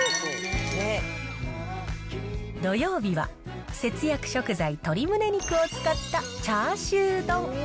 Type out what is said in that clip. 土曜日は、節約食材、鶏むね肉を使ったチャーシュー丼。